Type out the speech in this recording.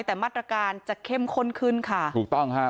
แต่มาตรการจะเข้มขึ้นขึ้นกว่าหลักลัก